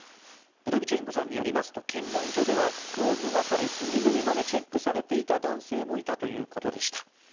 ブドビチェンコさんによりますと検問所では服を脱がされ隅々までチェックされていた男性もいたということでした。